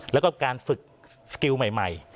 แล้วก็การฝึกสกิลใหม่